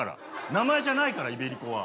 名前じゃないからイベリコは。